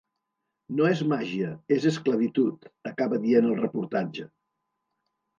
No és màgia, és esclavitud, acaba dient el reportatge.